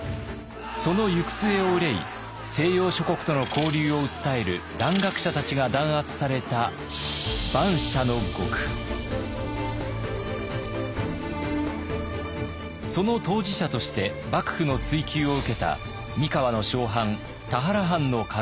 その行く末を憂い西洋諸国との交流を訴える蘭学者たちが弾圧されたその当事者として幕府の追及を受けた三河の小藩田原藩の家老。